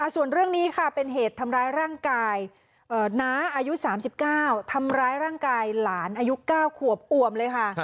ส่วนเรื่องนี้ค่ะเป็นเหตุทำร้ายร่างกายน้าอายุ๓๙ทำร้ายร่างกายหลานอายุ๙ขวบอ่วมเลยค่ะ